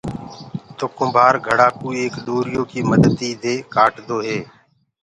تو ڪُمڀآر گھڙآ ڪو ايڪ ڏوريو ڪيِ مددي دي ڪآٽدو هي۔